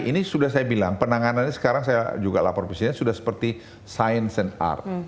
ini sudah saya bilang penanganannya sekarang saya juga lapor presiden sudah seperti science and art